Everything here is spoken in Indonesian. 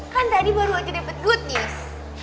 kan tadi baru aja dapet good news